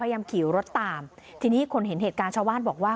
พยายามขี่รถตามที่นี่คนเห็นเหตุกาชวานบอกว่า